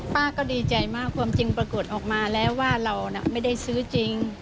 ป้าก็ดีใจมากความจริงปรากฏออกมาแล้วว่าเราไม่ได้ซื้อจริง